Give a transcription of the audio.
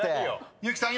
［結木さん